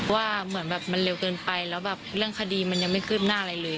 ว่าเหมือนแบบมันเร็วเกินไปแล้วแบบเรื่องคดีมันยังไม่คืบหน้าอะไรเลย